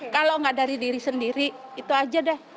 kalau nggak dari diri sendiri itu aja deh